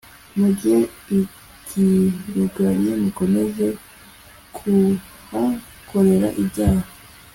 mujye i gilugali mukomeze kuhakorera ibyaha